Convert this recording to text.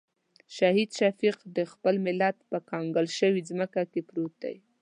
شهید شفیق د خپل ملت په کنګال شوې ځمکه کې پروت دی.